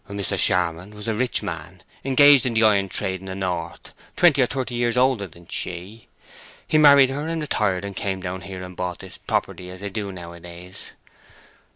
"Mr. Charmond was a rich man, engaged in the iron trade in the north, twenty or thirty years older than she. He married her and retired, and came down here and bought this property, as they do nowadays."